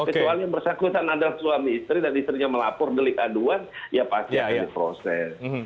kecuali yang bersangkutan adalah suami istri dan istrinya melapor delik aduan ya pasti akan diproses